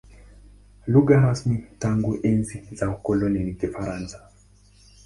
Lugha rasmi tangu enzi za ukoloni ni Kifaransa.